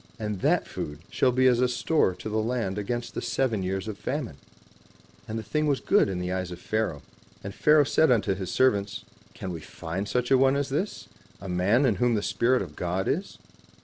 And that food shall be as a store to the land against the seven years of famine." And the thing was good in the eyes of Pharaoh. And Pharaoh said unto his servants, "Can we find such a one as this, a man in whom the Spirit of God is?